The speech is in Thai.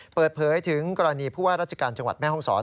เปิดเผยถึงกรณีผู้ว่าราชการจังหวัดแม่ห้องศร